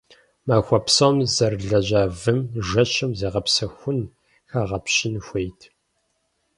Махуэ псом зэрылэжьа вым жэщым зегъэгъэпсэхун, хэгъэпщын хуейт.